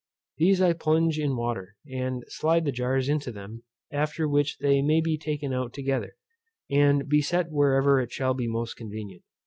These I plunge in water, and slide the jars into them; after which they may be taken out together, and be set wherever it shall be most convenient.